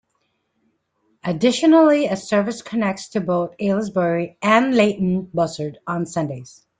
Additionally a service connects to both Aylesbury and Leighton Buzzard on Sundays.